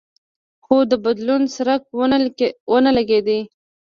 خو د بدلون څرک ونه لګېد.